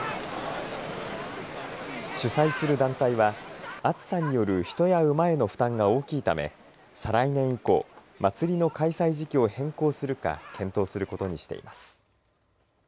主催する団体は暑さによる人や馬への負担が大きいため再来年以降祭りの開催時期を変更するか検討することにしています。